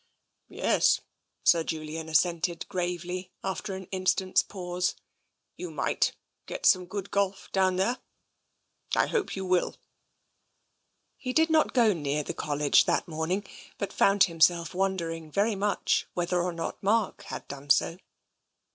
Yes," Sir Julian assented gravely, after an in stant's pause. " You might get some good golf down there. I hope you will." He did not go near the College that morning, but found himself wondering very much whether or not Mark had done so.